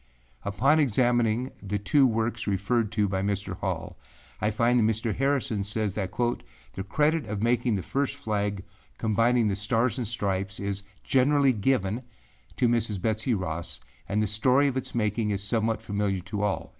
â Upon examining the two works referred to by Mr. Hall, I find that Mr. Harrison says that âthe credit of making the first flag combining the Stars and Stripes is generally given to Mrs. Betsey Ross, and the story of its making is somewhat familiar to all.